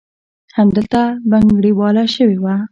همدلته بنګړیواله شوې وه.